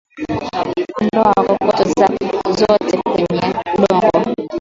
Ondoa kokoto zote kwenye udongo